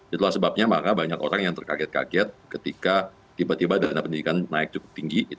itulah sebabnya maka banyak orang yang terkaget kaget ketika tiba tiba dana pendidikan naik cukup tinggi